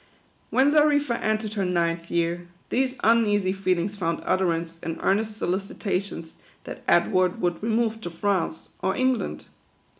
When Xarifa entered her ninth year, these uneasy feelings found utterance in earnest solicitations that Edward would remove to France, or England.